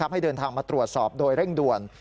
ให้เดินทางมาตรวจสอบโดยเร่งด่วน